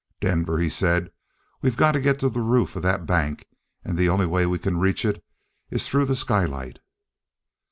"Denver," he said, "we've got to get to the roof of that bank, and the only way we can reach it is through the skylight."